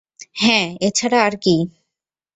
হ্যাঁ, এছাড়া আর কী?